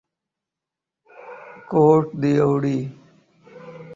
quote D Ivory